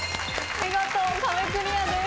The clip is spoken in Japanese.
見事壁クリアです。